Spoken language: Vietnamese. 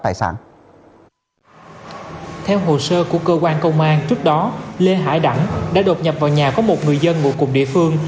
theo hồ sơ của cơ quan công an trước đó lê hải đặng đã đột nhập vào nhà có một người dân ngồi cùng địa phương